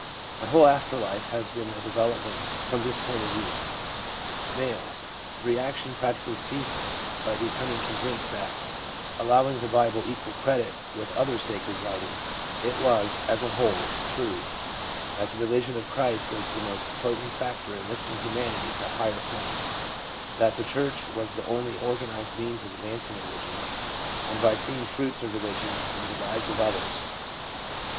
My whole after life has been a development from this point of view. 1 M. ' Re action practically ceased by my becoming convinced that, allowing the Bible equal credit with other sacred writings, it was, as a whole, true ; that the religion of Christ was the most potent factor in lifting humanity to a higher plane ; that the church was the only organised means of advancing religion ; and by seeing fruits of religion in the lives of others/ M.